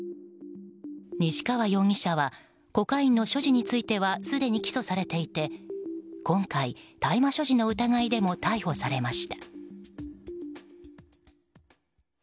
西川容疑者はコカインの所持についてはすでに起訴されていて今回、大麻所持の疑いでも逮捕されました。